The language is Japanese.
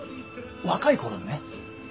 若い頃にね。